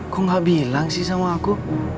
aku gak bilang sih sama aku